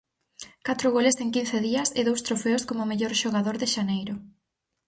Catro goles en quince días e dous trofeos como mellor xogador de xaneiro.